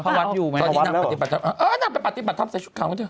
เขาวัดอยู่ไหมตอนนี้นั่งปฏิบัติธรรมเออนั่งไปปฏิบัติธรรมใส่ชุดขาวอย่างนี้